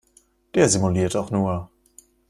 Der simuliert doch nur!